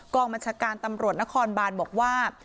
กองมัชการตำรวจนครบานบอกว่า